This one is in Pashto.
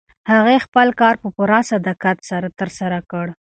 هغې خپل کار په پوره صداقت ترسره کړ.